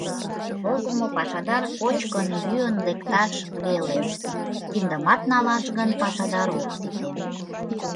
Возымо пашадар кочкын-йӱын лекташ веле, киндымат налаш гын, пашадар ок сите.